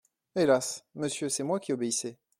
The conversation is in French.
Hélas ! monsieur, c'était moi qui obéissais.